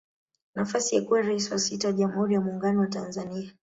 Nafasi ya kuwa Rais wa sita wa jamhuri ya Muungano wa Tanzania